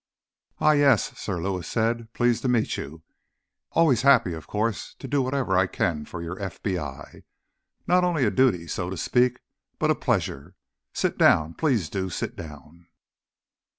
"Ah, yes," Sir Lewis said. "Pleased to meet you. Always happy, of course, to do whatever I can for your FBI. Not only a duty, so to speak, but a pleasure. Sit down. Please do sit down."